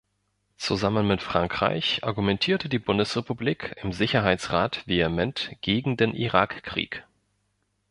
Zusammen mit Frankreich argumentierte die Bundesrepublik im Sicherheitsrat vehement gegen den Irakkrieg.